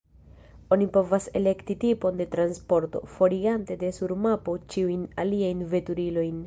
Oni povas elekti tipon de transporto, forigante de sur mapo ĉiujn aliajn veturilojn.